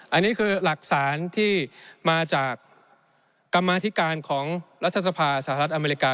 อันนี้คือหลักฐานที่มาจากกรรมาธิการของรัฐสภาสหรัฐอเมริกา